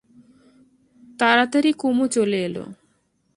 তাড়াতাড়ি কুমু চলে এল।